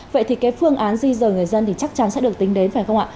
vậy thì phương án di dời dân chắc chắn sẽ được tính đến phải không ạ